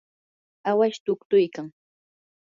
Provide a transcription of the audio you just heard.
awash tuktuykan.